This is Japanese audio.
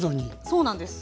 そうなんです。